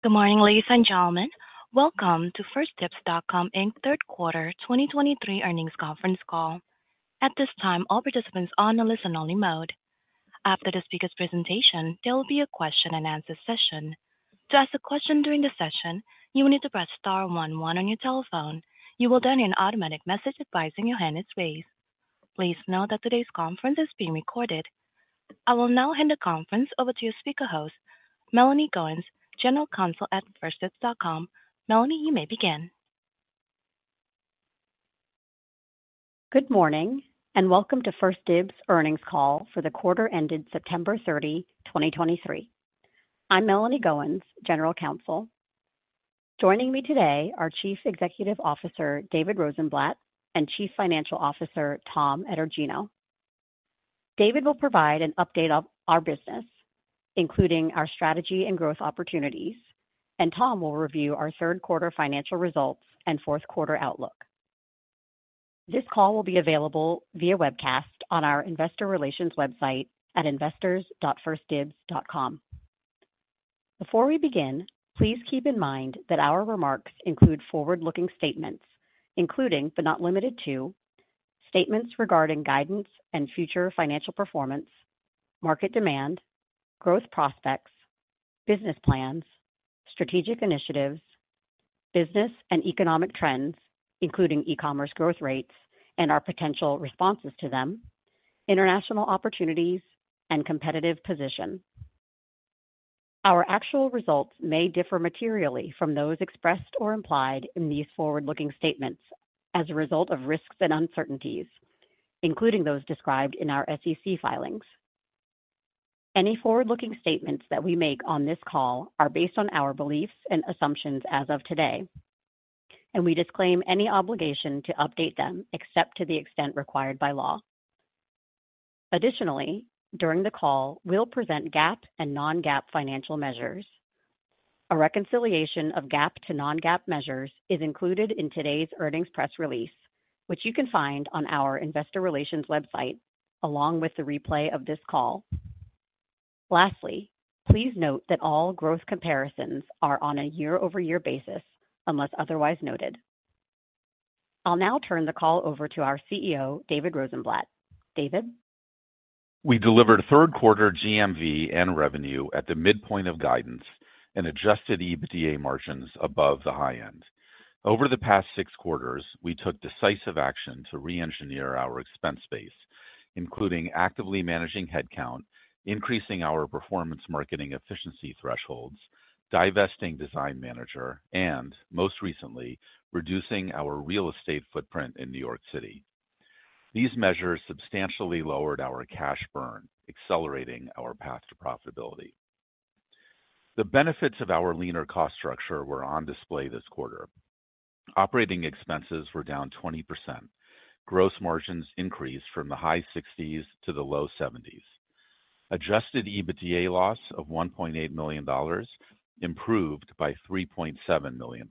Good morning, ladies and gentlemen. Welcome to 1stDibs.com, Inc third quarter 2023 earnings conference call. At this time, all participants are on a listen-only mode. After the speaker's presentation, there will be a question-and-answer session. To ask a question during the session, you will need to press star one one on your telephone. You will then hear an automatic message advising your hand is raised. Please note that today's conference is being recorded. I will now hand the conference over to speaker host, Melanie Goins, General Counsel at 1stDibs.com. Melanie, you may begin. Good morning, and welcome to 1stDibs earnings call for the quarter ended September 30, 2023. I'm Melanie Goins, General Counsel. Joining me today are Chief Executive Officer David Rosenblatt and Chief Financial Officer Tom Etergino. David will provide an update of our business, including our strategy and growth opportunities, and Tom will review our third quarter financial results and fourth quarter outlook. This call will be available via webcast on our investor relations website at investors.1stdibs.com. Before we begin, please keep in mind that our remarks include forward-looking statements, including but not limited to, statements regarding guidance and future financial performance, market demand, growth prospects, business plans, strategic initiatives, business and economic trends, including e-commerce growth rates and our potential responses to them, international opportunities, and competitive position. Our actual results may differ materially from those expressed or implied in these forward-looking statements as a result of risks and uncertainties, including those described in our SEC filings. Any forward-looking statements that we make on this call are based on our beliefs and assumptions as of today, and we disclaim any obligation to update them except to the extent required by law. Additionally, during the call, we'll present GAAP and non-GAAP financial measures. A reconciliation of GAAP to non-GAAP measures is included in today's earnings press release, which you can find on our investor relations website, along with the replay of this call. Lastly, please note that all growth comparisons are on a year-over-year basis, unless otherwise noted. I'll now turn the call over to our CEO, David Rosenblatt. David? We delivered third quarter GMV and revenue at the midpoint of guidance and Adjusted EBITDA margins above the high-end. Over the past 6 quarters, we took decisive action to reengineer our expense base, including actively managing headcount, increasing our performance marketing efficiency thresholds, divesting Design Manager, and most recently, reducing our real estate footprint in New York City. These measures substantially lowered our cash burn, accelerating our path to profitability. The benefits of our leaner cost structure were on display this quarter. Operating expenses were down 20%. Gross margins increased from the high 60s% to the low 70s%. Adjusted EBITDA loss of $1.8 million improved by $3.7 million.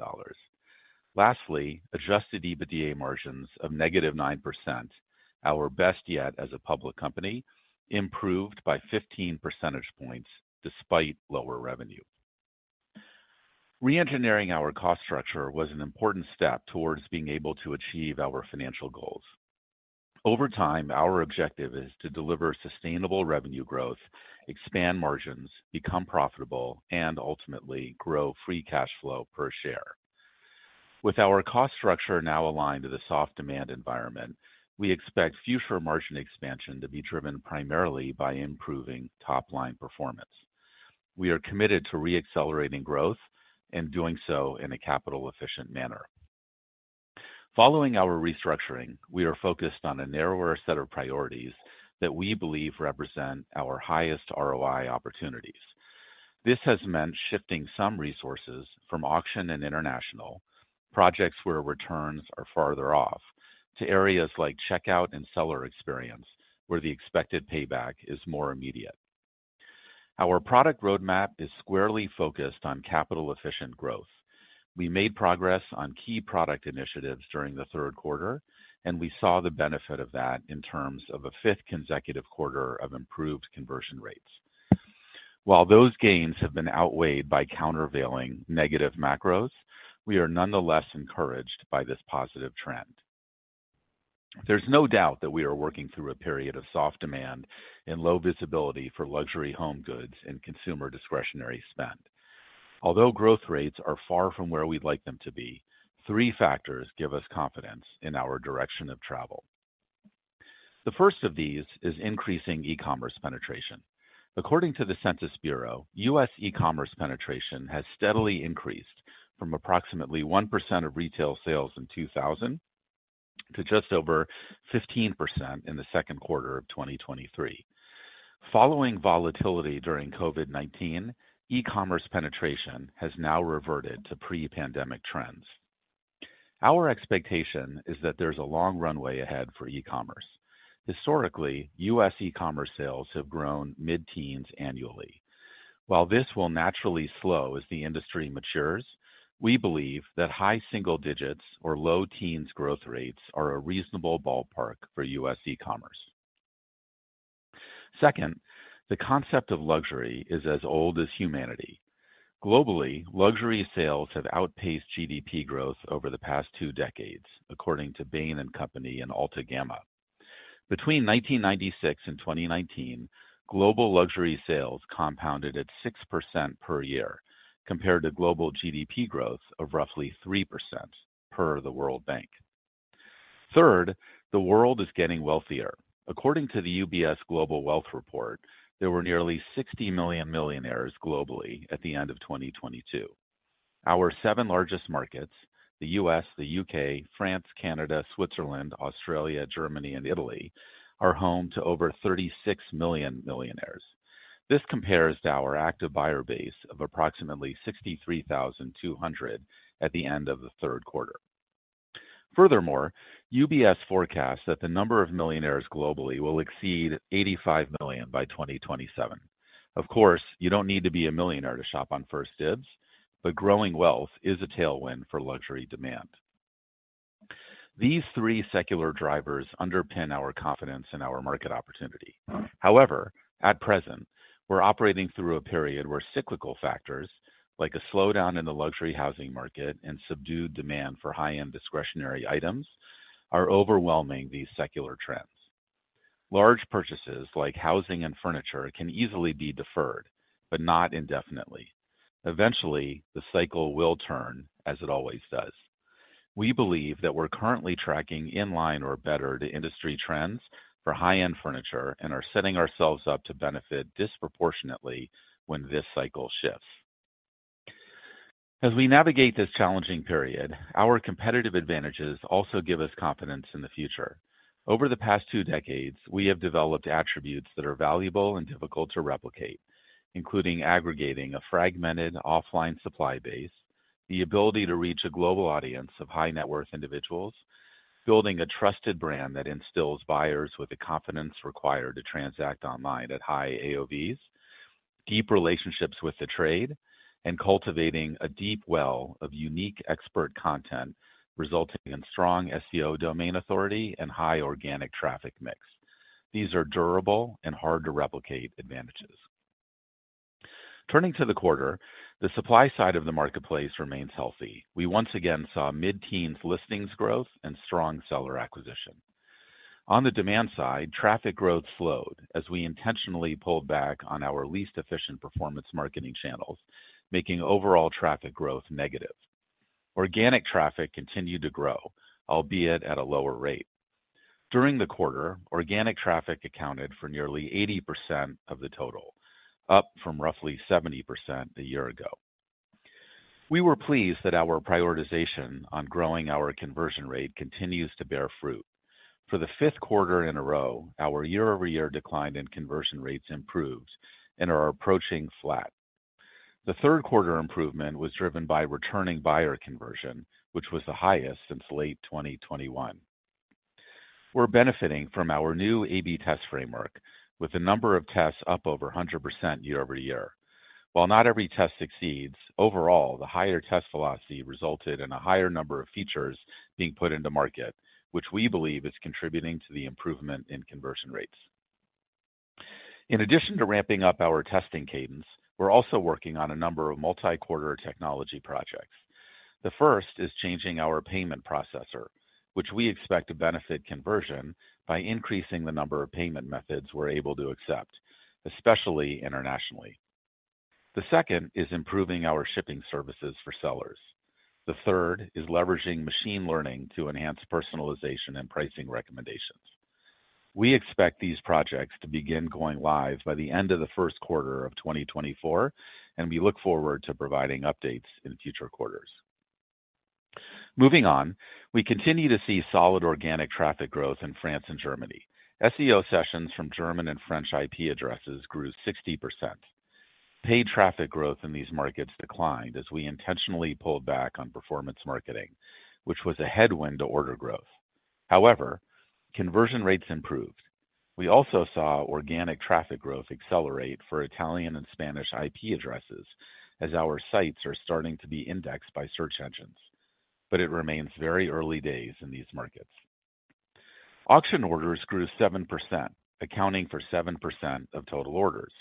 Lastly, Adjusted EBITDA margins of -9%, our best yet as a public company, improved by 15 percentage points despite lower revenue. Reengineering our cost structure was an important step towards being able to achieve our financial goals. Over time, our objective is to deliver sustainable revenue growth, expand margins, become profitable, and ultimately grow free cash flow per share. With our cost structure now aligned to the soft demand environment, we expect future margin expansion to be driven primarily by improving top-line performance. We are committed to re-accelerating growth and doing so in a capital-efficient manner. Following our restructuring, we are focused on a narrower set of priorities that we believe represent our highest ROI opportunities. This has meant shifting some resources from auction and international, projects where returns are farther off, to areas like checkout and seller experience, where the expected payback is more immediate. Our product roadmap is squarely focused on capital-efficient growth. We made progress on key product initiatives during the third quarter, and we saw the benefit of that in terms of a fifth consecutive quarter of improved conversion rates. While those gains have been outweighed by countervailing negative macros, we are nonetheless encouraged by this positive trend. There's no doubt that we are working through a period of soft demand and low visibility for luxury home goods and consumer discretionary spend. Although growth rates are far from where we'd like them to be, three factors give us confidence in our direction of travel. The first of these is increasing e-commerce penetration. According to the U.S. Census Bureau, U.S. e-commerce penetration has steadily increased from approximately 1% of retail sales in 2000 to just over 15% in the second quarter of 2023. Following volatility during COVID-19, e-commerce penetration has now reverted to pre-pandemic trends. Our expectation is that there's a long runway ahead for e-commerce. Historically, U.S. e-commerce sales have grown mid-teens annually. While this will naturally slow as the industry matures, we believe that high single digits or low teens growth rates are a reasonable ballpark for U.S. e-commerce.... Second, the concept of luxury is as old as humanity. Globally, luxury sales have outpaced GDP growth over the past two decades, according to Bain & Company and Altagamma. Between 1996 and 2019, global luxury sales compounded at 6% per year, compared to global GDP growth of roughly 3% per the World Bank. Third, the world is getting wealthier. According to the UBS Global Wealth Report, there were nearly 60 million millionaires globally at the end of 2022. Our seven largest markets, the U.S., the U.K., France, Canada, Switzerland, Australia, Germany, and Italy, are home to over 36 million millionaires. This compares to our active buyer base of approximately 63,200 at the end of the third quarter. Furthermore, UBS forecasts that the number of millionaires globally will exceed 85 million by 2027. Of course, you don't need to be a millionaire to shop on 1stDibs, but growing wealth is a tailwind for luxury demand. These three secular drivers underpin our confidence in our market opportunity. However, at present, we're operating through a period where cyclical factors, like a slowdown in the luxury housing market and subdued demand for high-end discretionary items, are overwhelming these secular trends. Large purchases like housing and furniture can easily be deferred, but not indefinitely. Eventually, the cycle will turn, as it always does. We believe that we're currently tracking in line or better to industry trends for high-end furniture and are setting ourselves up to benefit disproportionately when this cycle shifts. As we navigate this challenging period, our competitive advantages also give us confidence in the future. Over the past two decades, we have developed attributes that are valuable and difficult to replicate, including aggregating a fragmented offline supply base, the ability to reach a global audience of high-net-worth individuals, building a trusted brand that instills buyers with the confidence required to transact online at high AOVs, deep relationships with the trade, and cultivating a deep well of unique expert content, resulting in strong SEO domain authority and high organic traffic mix. These are durable and hard-to-replicate advantages. Turning to the quarter, the supply side of the marketplace remains healthy. We once again saw mid-teen listings growth and strong seller acquisition. On the demand side, traffic growth slowed as we intentionally pulled back on our least efficient performance marketing channels, making overall traffic growth negative. Organic traffic continued to grow, albeit at a lower rate. During the quarter, organic traffic accounted for nearly 80% of the total, up from roughly 70% a year ago. We were pleased that our prioritization on growing our conversion rate continues to bear fruit. For the fifth quarter in a row, our year-over-year decline in conversion rates improved and are approaching flat. The third quarter improvement was driven by returning buyer conversion, which was the highest since late 2021. We're benefiting from our new A/B test framework, with the number of tests up over 100% year-over-year. While not every test succeeds, overall, the higher test velocity resulted in a higher number of features being put into market, which we believe is contributing to the improvement in conversion rates. In addition to ramping up our testing cadence, we're also working on a number of multi-quarter technology projects. The first is changing our payment processor, which we expect to benefit conversion by increasing the number of payment methods we're able to accept, especially internationally. The second is improving our shipping services for sellers. The third is leveraging machine learning to enhance personalization and pricing recommendations. We expect these projects to begin going live by the end of the first quarter of 2024, and we look forward to providing updates in future quarters. Moving on, we continue to see solid organic traffic growth in France and Germany. SEO sessions from German and French IP addresses grew 60%. Paid traffic growth in these markets declined as we intentionally pulled back on performance marketing, which was a headwind to order growth. However, conversion rates improved. We also saw organic traffic growth accelerate for Italian and Spanish IP addresses as our sites are starting to be indexed by search engines, but it remains very early days in these markets. Auction orders grew 7%, accounting for 7% of total orders.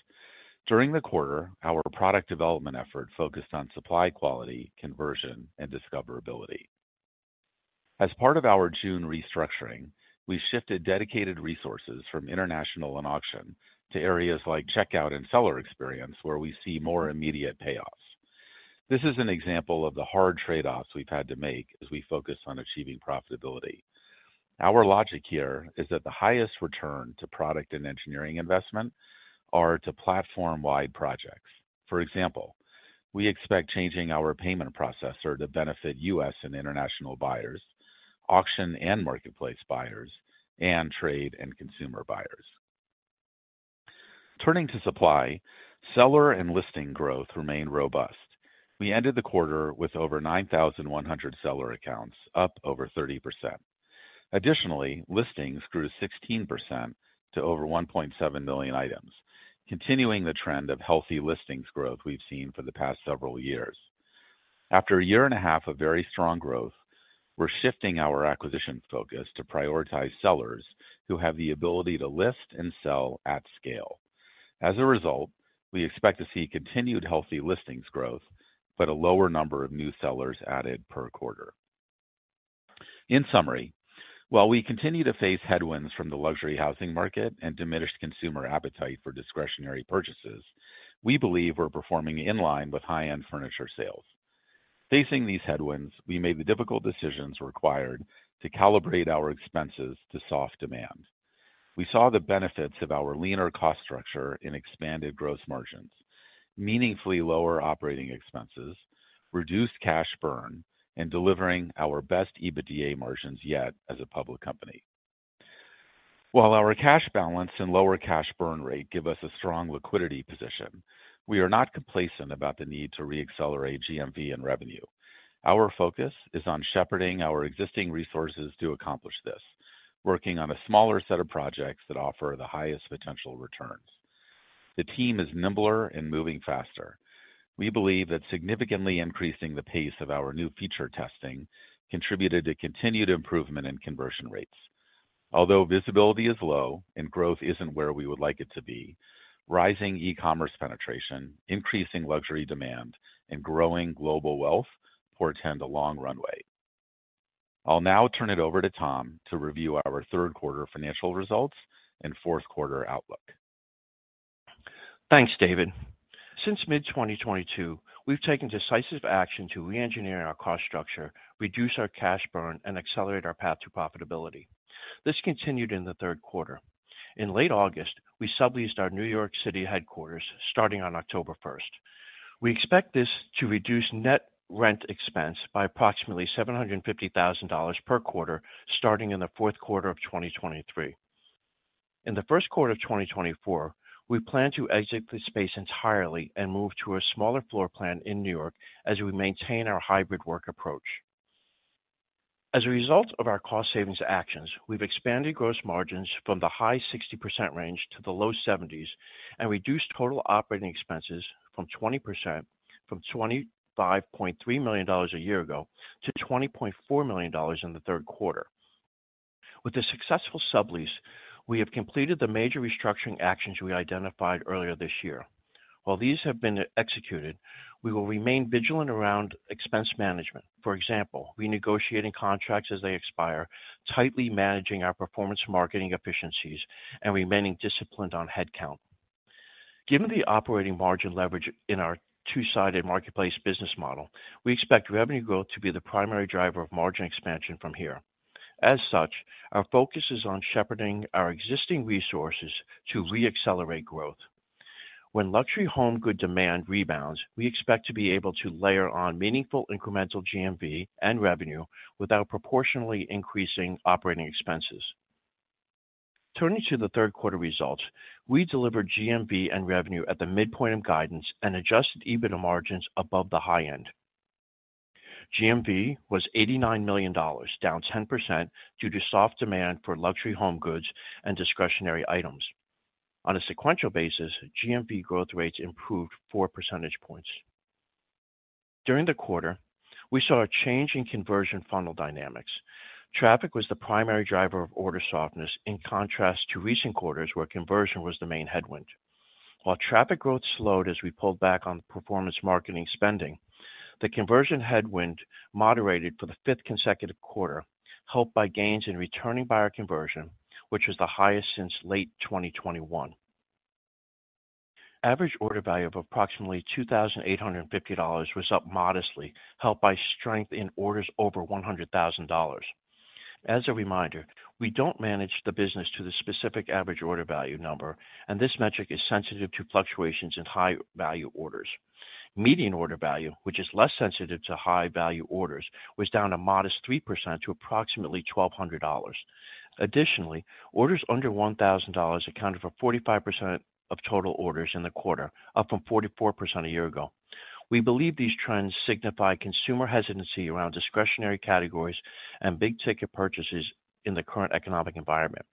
During the quarter, our product development effort focused on supply quality, conversion, and discoverability. As part of our June restructuring, we shifted dedicated resources from international and auction to areas like checkout and seller experience, where we see more immediate payoffs. This is an example of the hard trade-offs we've had to make as we focus on achieving profitability. Our logic here is that the highest return to product and engineering investment are to platform-wide projects. For example, we expect changing our payment processor to benefit U.S. and international buyers, auction and marketplace buyers, and trade and consumer buyers. Turning to supply, seller and listing growth remained robust. We ended the quarter with over 9,100 seller accounts, up over 30%. Additionally, listings grew 16% to over 1.7 million items, continuing the trend of healthy listings growth we've seen for the past several years. After a year and a half of very strong growth, we're shifting our acquisition focus to prioritize sellers who have the ability to list and sell at scale. As a result, we expect to see continued healthy listings growth, but a lower number of new sellers added per quarter. In summary, while we continue to face headwinds from the luxury housing market and diminished consumer appetite for discretionary purchases, we believe we're performing in line with high-end furniture sales. Facing these headwinds, we made the difficult decisions required to calibrate our expenses to soft demand. We saw the benefits of our leaner cost structure in expanded gross margins, meaningfully lower operating expenses, reduced cash burn, and delivering our best EBITDA margins yet as a public company. While our cash balance and lower cash burn rate give us a strong liquidity position, we are not complacent about the need to re-accelerate GMV and revenue. Our focus is on shepherding our existing resources to accomplish this, working on a smaller set of projects that offer the highest potential returns. The team is nimbler and moving faster. We believe that significantly increasing the pace of our new feature testing contributed to continued improvement in conversion rates. Although visibility is low and growth isn't where we would like it to be, rising e-commerce penetration, increasing luxury demand, and growing global wealth portend a long runway. I'll now turn it over to Tom to review our third quarter financial results and fourth quarter outlook. Thanks, David. Since mid-2022, we've taken decisive action to reengineer our cost structure, reduce our cash burn, and accelerate our path to profitability. This continued in the third quarter. In late August, we subleased our New York City headquarters starting on October first. We expect this to reduce net rent expense by approximately $750,000 per quarter, starting in the fourth quarter of 2023. In the first quarter of 2024, we plan to exit the space entirely and move to a smaller floor plan in New York as we maintain our hybrid work approach. As a result of our cost savings actions, we've expanded gross margins from the high 60% range to the low 70s% and reduced total operating expenses from 20%, from $25.3 million a year ago to $20.4 million in the third quarter. With the successful sublease, we have completed the major restructuring actions we identified earlier this year. While these have been executed, we will remain vigilant around expense management. For example, renegotiating contracts as they expire, tightly managing our performance marketing efficiencies, and remaining disciplined on headcount. Given the operating margin leverage in our two-sided marketplace business model, we expect revenue growth to be the primary driver of margin expansion from here. As such, our focus is on shepherding our existing resources to re-accelerate growth. When luxury home good demand rebounds, we expect to be able to layer on meaningful incremental GMV and revenue without proportionally increasing operating expenses. Turning to the third quarter results, we delivered GMV and revenue at the midpoint of guidance and adjusted EBITDA margins above the high-end. GMV was $89 million, down 10% due to soft demand for luxury home goods and discretionary items. On a sequential basis, GMV growth rates improved four percentage points. During the quarter, we saw a change in conversion funnel dynamics. Traffic was the primary driver of order softness, in contrast to recent quarters where conversion was the main headwind. While traffic growth slowed as we pulled back on performance marketing spending, the conversion headwind moderated for the fifth consecutive quarter, helped by gains in returning buyer conversion, which was the highest since late 2021. Average order value of approximately $2,850 was up modestly, helped by strength in orders over $100,000. As a reminder, we don't manage the business to the specific average order value number, and this metric is sensitive to fluctuations in high-value orders. Median order value, which is less sensitive to high-value orders, was down a modest 3% to approximately $1,200. Additionally, orders under $1,000 accounted for 45% of total orders in the quarter, up from 44% a year ago. We believe these trends signify consumer hesitancy around discretionary categories and big-ticket purchases in the current economic environment.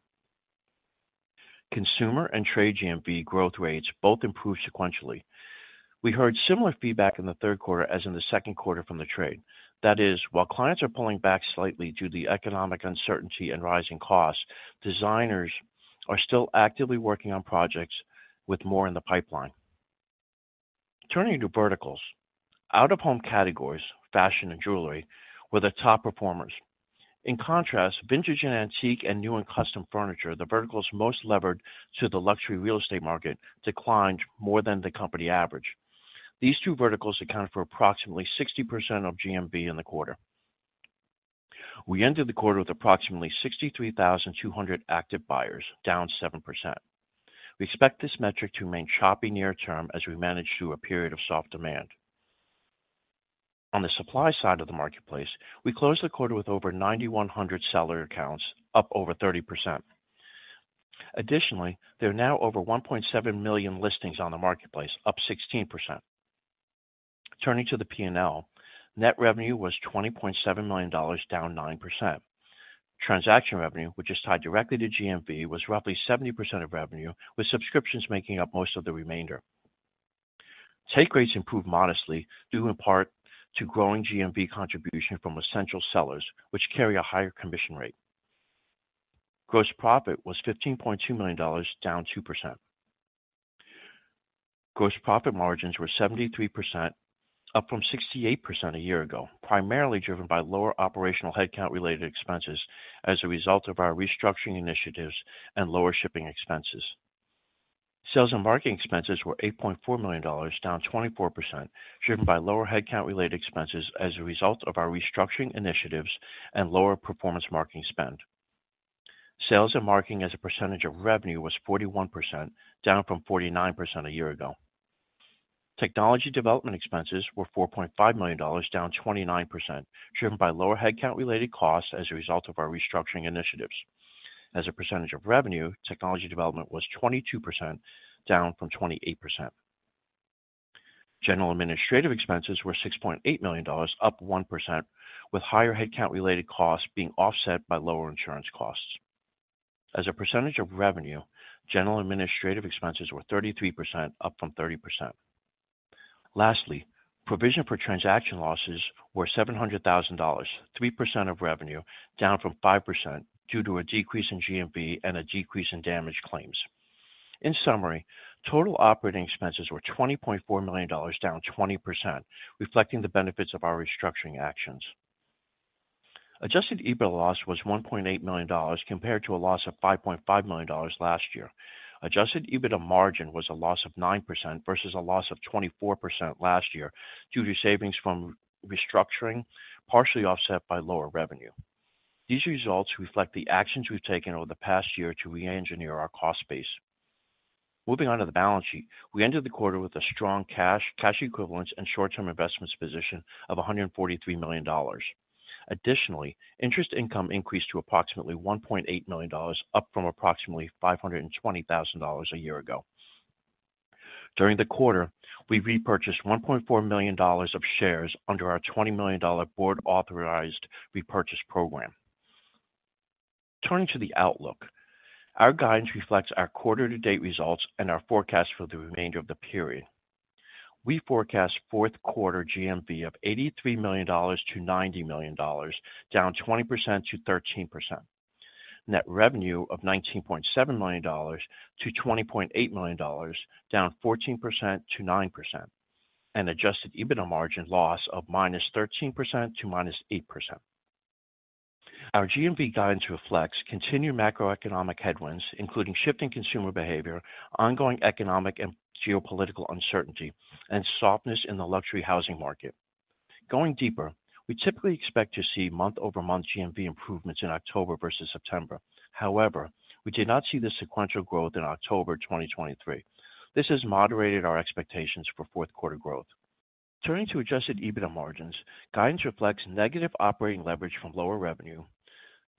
Consumer and trade GMV growth rates both improved sequentially. We heard similar feedback in the third quarter as in the second quarter from the trade. That is, while clients are pulling back slightly due to the economic uncertainty and rising costs, designers are still actively working on projects with more in the pipeline. Turning to verticals, out-of-home categories, fashion and jewelry, were the top performers. In contrast, vintage and antique and new and custom furniture, the verticals most levered to the luxury real estate market, declined more than the company average. These two verticals accounted for approximately 60% of GMV in the quarter. We ended the quarter with approximately 63,200 active buyers, down 7%. We expect this metric to remain choppy near-term as we manage through a period of soft demand. On the supply side of the marketplace, we closed the quarter with over 9,100 seller accounts, up over 30%. Additionally, there are now over 1.7 million listings on the marketplace, up 16%. Turning to the P&L, net revenue was $20.7 million, down 9%. Transaction revenue, which is tied directly to GMV, was roughly 70% of revenue, with subscriptions making up most of the remainder. Take rates improved modestly, due in part to growing GMV contribution from Essential sellers, which carry a higher commission rate. Gross profit was $15.2 million, down 2%. Gross profit margins were 73%, up from 68% a year ago, primarily driven by lower operational headcount-related expenses as a result of our restructuring initiatives and lower shipping expenses. Sales and marketing expenses were $8.4 million, down 24%, driven by lower headcount-related expenses as a result of our restructuring initiatives and lower performance marketing spend. Sales and marketing as a percentage of revenue was 41%, down from 49% a year ago. Technology development expenses were $4.5 million, down 29%, driven by lower headcount-related costs as a result of our restructuring initiatives. As a percentage of revenue, technology development was 22%, down from 28%. General administrative expenses were $6.8 million, up 1%, with higher headcount-related costs being offset by lower insurance costs. As a percentage of revenue, general administrative expenses were 33%, up from 30%. Lastly, provision for transaction losses were $700,000, 3% of revenue, down from 5% due to a decrease in GMV and a decrease in damage claims. In summary, total operating expenses were $20.4 million, down 20%, reflecting the benefits of our restructuring actions. Adjusted EBITDA loss was $1.8 million, compared to a loss of $5.5 million last year. Adjusted EBITDA margin was a loss of 9% versus a loss of 24% last year, due to savings from restructuring, partially offset by lower revenue. These results reflect the actions we've taken over the past year to reengineer our cost base. Moving on to the balance sheet. We ended the quarter with a strong cash, cash equivalents, and short-term investments position of $143 million. Additionally, interest income increased to approximately $1.8 million, up from approximately $520,000 a year ago. During the quarter, we repurchased $1.4 million of shares under our $20 million board-authorized repurchase program. Turning to the outlook. Our guidance reflects our quarter-to-date results and our forecast for the remainder of the period. We forecast fourth quarter GMV of $83 million-$90 million, down 20%-13%. Net revenue of $19.7 million-$20.8 million, down 14%-9%, and adjusted EBITDA margin loss of -13% to -8%. Our GMV guidance reflects continued macroeconomic headwinds, including shifting consumer behavior, ongoing economic and geopolitical uncertainty, and softness in the luxury housing market. Going deeper, we typically expect to see month-over-month GMV improvements in October versus September. However, we did not see the sequential growth in October 2023. This has moderated our expectations for fourth quarter growth. Turning to adjusted EBITDA margins, guidance reflects negative operating leverage from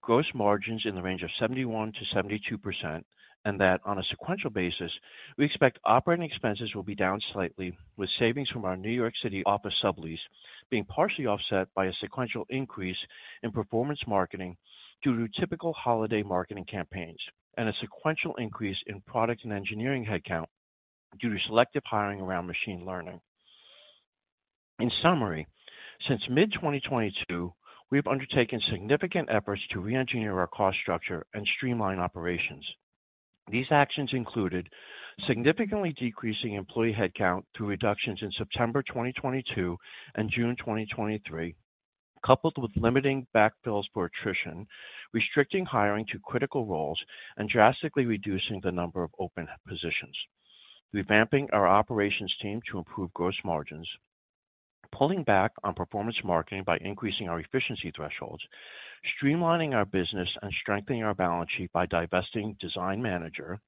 lower revenue, gross margins in the range of 71%-72%, and that on a sequential basis, we expect operating expenses will be down slightly, with savings from our New York City office sublease being partially offset by a sequential increase in performance marketing due to typical holiday marketing campaigns and a sequential increase in product and engineering headcount due to selective hiring around machine learning. In summary, since mid-2022, we've undertaken significant efforts to reengineer our cost structure and streamline operations. These actions included significantly decreasing employee headcount through reductions in September 2022 and June 2023, coupled with limiting backfills for attrition, restricting hiring to critical roles, and drastically reducing the number of open positions. Revamping our operations team to improve gross margins, pulling back on performance marketing by increasing our efficiency thresholds, streamlining our business and strengthening our balance sheet by divesting Design Manager,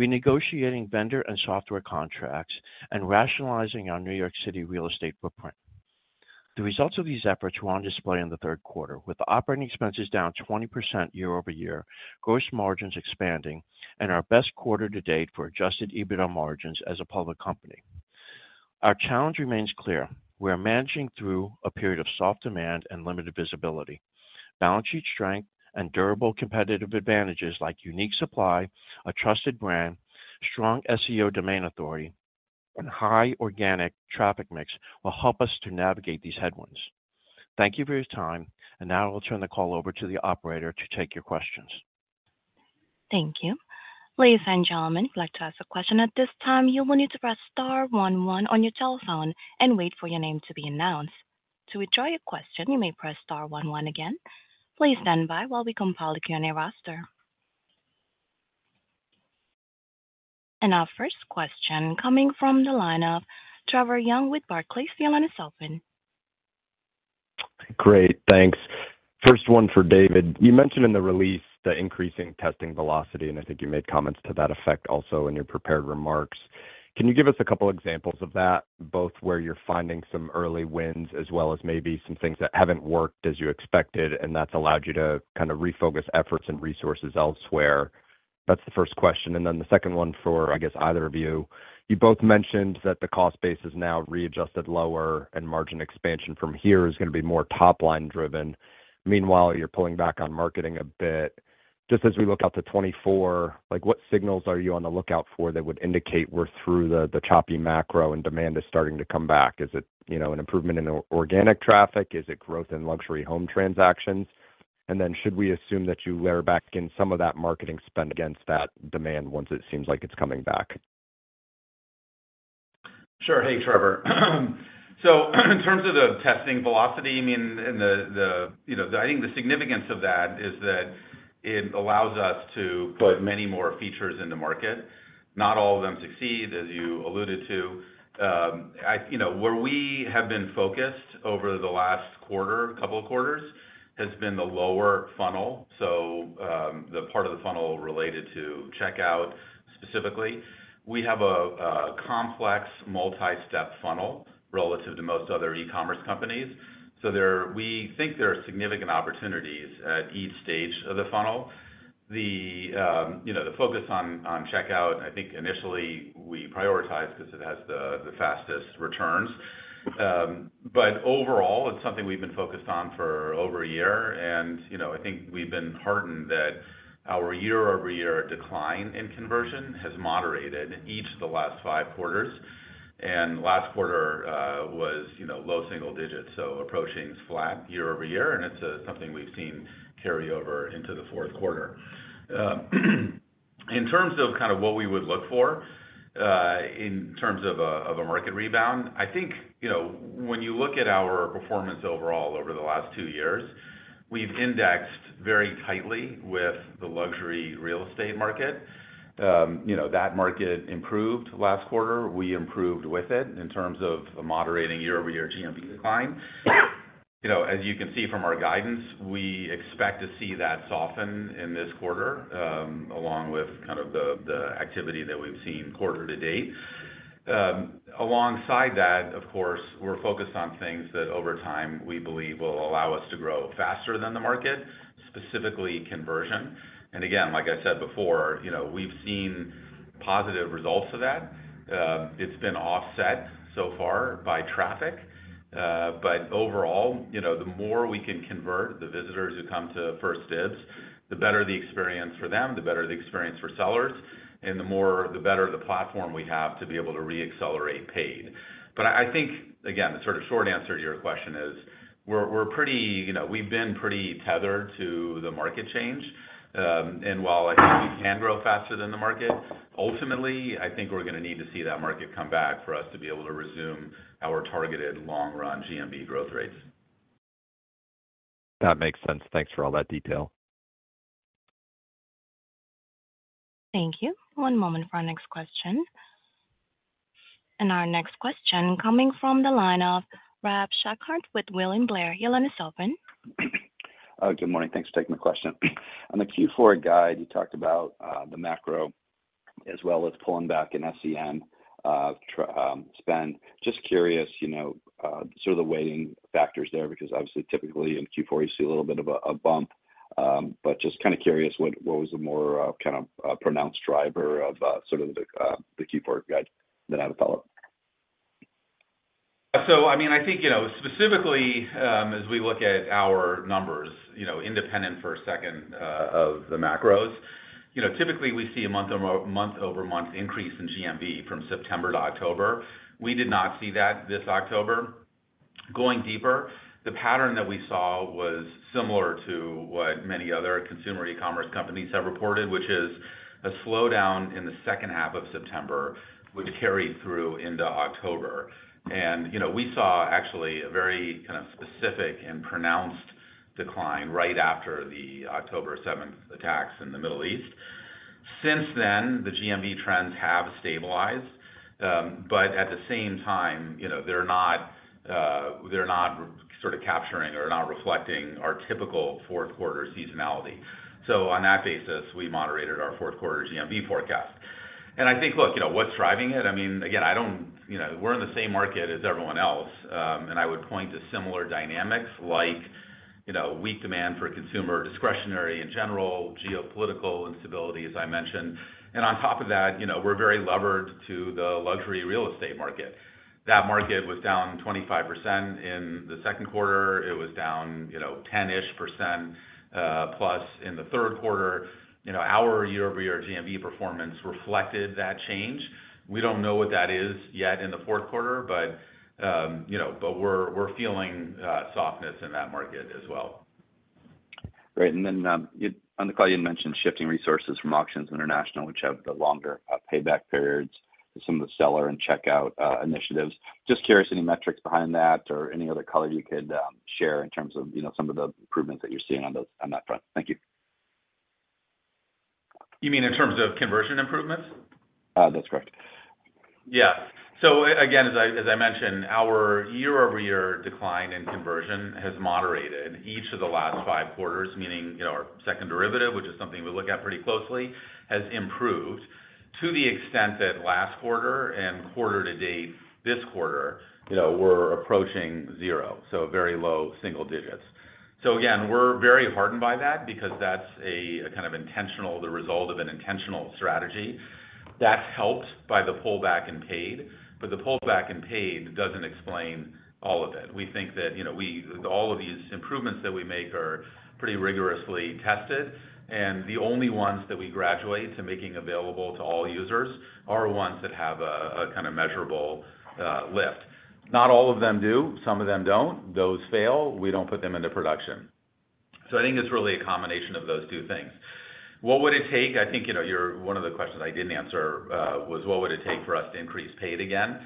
renegotiating vendor and software contracts, and rationalizing our New York City real estate footprint. The results of these efforts were on display in the third quarter, with operating expenses down 20% year-over-year, gross margins expanding, and our best quarter to date for Adjusted EBITDA margins as a public company. Our challenge remains clear, we are managing through a period of soft demand and limited visibility. Balance sheet strength and durable competitive advantages like unique supply, a trusted brand, strong SEO domain authority, and high organic traffic mix will help us to navigate these headwinds. Thank you for your time, and now I'll turn the call over to the operator to take your questions. Thank you. Ladies and gentlemen, if you'd like to ask a question at this time, you will need to press star one one on your telephone and wait for your name to be announced. To withdraw your question, you may press star one one again. Please stand by while we compile the Q and A roster. Our first question coming from the line of Trevor Young with Barclays. The line is open. Great, thanks. First one for David. You mentioned in the release the increasing testing velocity, and I think you made comments to that effect also in your prepared remarks. Can you give us a couple examples of that, both where you're finding some early wins, as well as maybe some things that haven't worked as you expected, and that's allowed you to kind of refocus efforts and resources elsewhere? That's the first question, and then the second one for, I guess, either of you. You both mentioned that the cost base is now readjusted lower, and margin expansion from here is gonna be more top-line driven. Meanwhile, you're pulling back on marketing a bit. Just as we look out to 2024, like, what signals are you on the lookout for that would indicate we're through the choppy macro and demand is starting to come back? Is it, you know, an improvement in organic traffic? Is it growth in luxury home transactions? And then should we assume that you layer back in some of that marketing spend against that demand once it seems like it's coming back? Sure. Hey, Trevor. So in terms of the testing velocity, I mean, you know, I think the significance of that is that it allows us to put many more features in the market. Not all of them succeed, as you alluded to. You know, where we have been focused over the last quarter, couple of quarters, has been the lower funnel, so, the part of the funnel related to checkout, specifically. We have a complex, multi-step funnel relative to most other e-commerce companies, so we think there are significant opportunities at each stage of the funnel. You know, the focus on checkout, I think initially we prioritized because it has the fastest returns. But overall, it's something we've been focused on for over a year, and, you know, I think we've been heartened that our year-over-year decline in conversion has moderated in each of the last five quarters. And last quarter was, you know, low single digits, so approaching flat year-over-year, and it's something we've seen carry over into the fourth quarter. In terms of kind of what we would look for in terms of a market rebound, I think, you know, when you look at our performance overall over the last two years, we've indexed very tightly with the luxury real estate market. You know, that market improved last quarter. We improved with it in terms of a moderating year-over-year GMV decline. You know, as you can see from our guidance, we expect to see that soften in this quarter, along with kind of the activity that we've seen quarter to date. Alongside that, of course, we're focused on things that over time, we believe will allow us to grow faster than the market, specifically conversion. And again, like I said before, you know, we've seen positive results of that. It's been offset so far by traffic, but overall, you know, the more we can convert the visitors who come to 1stDibs, the better the experience for them, the better the experience for sellers, and the more, the better the platform we have to be able to reaccelerate paid. But I think, again, the sort of short answer to your question is, we're pretty, you know, we've been pretty tethered to the market change. And while I think we can grow faster than the market, ultimately, I think we're gonna need to see that market come back for us to be able to resume our targeted long-run GMV growth rates. That makes sense. Thanks for all that detail. Thank you. One moment for our next question. And our next question coming from the line of Ralph Schackart with William Blair. Your line is open. Good morning. Thanks for taking my question. On the Q4 guide, you talked about the macro, as well as pulling back in SEM spend. Just curious, you know, sort of the weighting factors there, because obviously, typically in Q4, you see a little bit of a bump. But just kind of curious, what was the more kind of pronounced driver of sort of the Q4 guide? Then I have a follow-up. So I mean, I think, you know, specifically, as we look at our numbers, you know, independent for a second, of the macros, you know, typically we see a month-over-month increase in GMV from September to October. We did not see that this October. Going deeper, the pattern that we saw was similar to what many other consumer e-commerce companies have reported, which is a slowdown in the second half of September, which carried through into October. And, you know, we saw actually a very kind of specific and pronounced decline right after the October seventh attacks in the Middle East. Since then, the GMV trends have stabilized, but at the same time, you know, they're not, they're not sort of capturing or not reflecting our typical fourth quarter seasonality. So on that basis, we moderated our fourth quarter GMV forecast. I think, look, you know, what's driving it? I mean, again, I don't, you know, we're in the same market as everyone else, and I would point to similar dynamics like, you know, weak demand for consumer discretionary in general, geopolitical instability, as I mentioned. And on top of that, you know, we're very levered to the luxury real estate market. That market was down 25% in the second quarter. It was down, you know, 10-ish% plus in the third quarter. You know, our year-over-year GMV performance reflected that change. We don't know what that is yet in the fourth quarter, but, you know, but we're feeling softness in that market as well. Great. And then, on the call, you mentioned shifting resources from Auctions International, which have the longer payback periods to some of the seller and checkout initiatives. Just curious, any metrics behind that or any other color you could share in terms of, you know, some of the improvements that you're seeing on that front? Thank you. You mean in terms of conversion improvements? That's correct. Yeah. So again, as I mentioned, our year-over-year decline in conversion has moderated each of the last five quarters, meaning, you know, our second derivative, which is something we look at pretty closely, has improved. To the extent that last quarter and quarter to date this quarter, you know, we're approaching zero, so very low single digits. So again, we're very heartened by that because that's the result of an intentional strategy that's helped by the pullback in paid. But the pullback in paid doesn't explain all of it. We think that, you know, we all of these improvements that we make are pretty rigorously tested, and the only ones that we graduate to making available to all users are ones that have a measurable lift. Not all of them do, some of them don't. Those fail, we don't put them into production. So I think it's really a combination of those two things. What would it take? I think, you know, your, one of the questions I didn't answer was what would it take for us to increase paid again.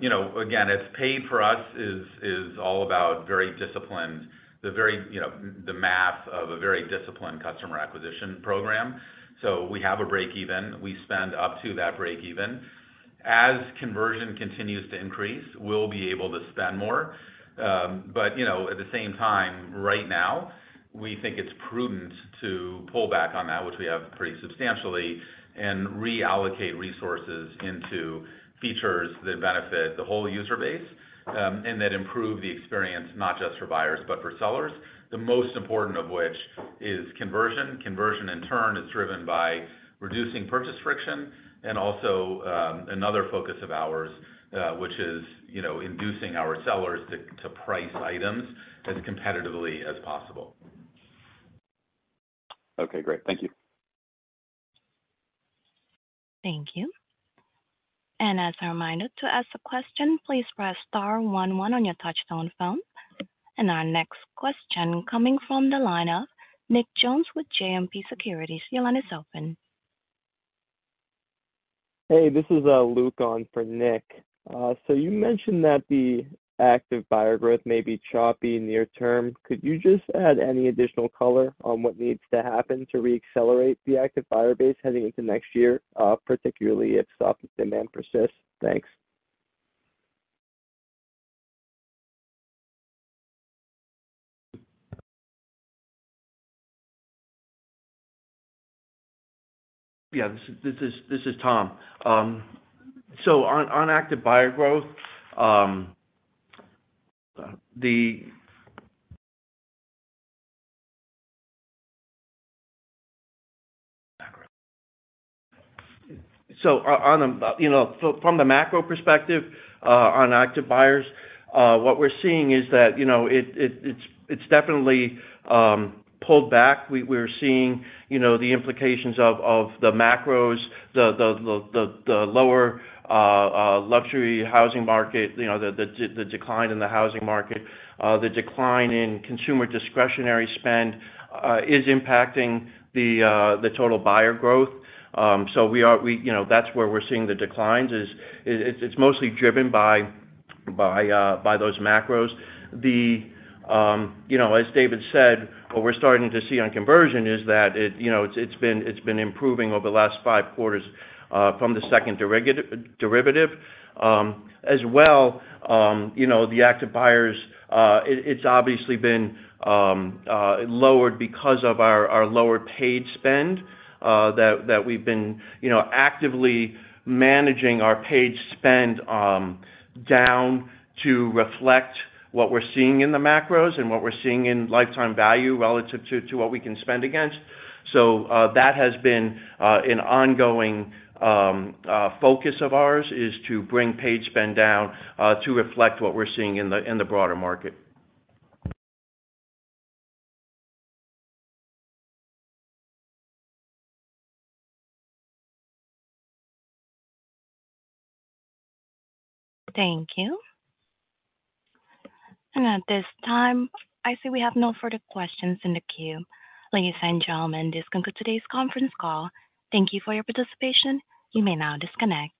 You know, again, it's paid for us is all about very disciplined, you know, the math of a very disciplined customer acquisition program. So we have a breakeven. We spend up to that breakeven. As conversion continues to increase, we'll be able to spend more. But, you know, at the same time, right now, we think it's prudent to pull back on that, which we have pretty substantially, and reallocate resources into features that benefit the whole user base, and that improve the experience, not just for buyers but for sellers. The most important of which is conversion. Conversion, in turn, is driven by reducing purchase friction and also, another focus of ours, which is, you know, inducing our sellers to price items as competitively as possible. Okay, great. Thank you. Thank you. As a reminder, to ask a question, please press star one on your touchtone phone. Our next question coming from the line of Nick Jones with JMP Securities. Your line is open. Hey, this is Luke on for Nick. So you mentioned that the active buyer growth may be choppy near term. Could you just add any additional color on what needs to happen to reaccelerate the active buyer base heading into next year, particularly if soft demand persists? Thanks. Yeah, this is Tom. So on active buyer growth, you know, so from the macro perspective, on active buyers, what we're seeing is that, you know, it's definitely pulled back. We're seeing, you know, the implications of the macros, the lower luxury housing market, you know, the decline in the housing market, the decline in consumer discretionary spend is impacting the total buyer growth. So, you know, that's where we're seeing the declines. It's mostly driven by those macros. You know, as David said, what we're starting to see on conversion is that it, you know, it's been improving over the last five quarters, from the second derivative. As well, you know, the active buyers, it's obviously been lowered because of our lower paid spend, that we've been, you know, actively managing our paid spend down to reflect what we're seeing in the macros and what we're seeing in lifetime value relative to what we can spend against. So, that has been an ongoing focus of ours is to bring paid spend down to reflect what we're seeing in the broader market. Thank you. At this time, I see we have no further questions in the queue. Ladies and gentlemen, this concludes today's conference call. Thank you for your participation. You may now disconnect.